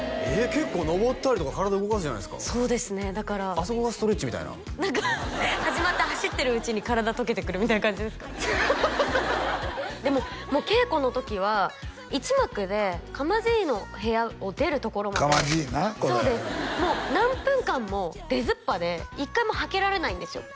結構のぼったりとか体動かすじゃないですかそうですねだからあそこがストレッチみたいな何か始まって走ってるうちに体とけてくるみたいな感じですかねでももう稽古の時は１幕で釜爺の部屋を出るところまで釜爺なこれそうですもう何分間も出ずっぱで一回もはけられないんですよ